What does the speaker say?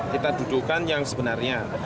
kita dudukan yang sebenarnya